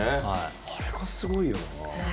あれが、すごいよな。